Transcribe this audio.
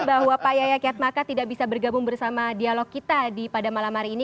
bahwa pak yayak yatmaka tidak bisa bergabung bersama dialog kita pada malam hari ini